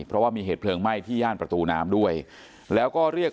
เพราะว่ามีเหตุเพลิงไหม้ที่ย่านประตูน้ำด้วยแล้วก็เรียก